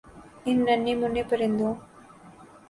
ان ننھے مننھے پرندوں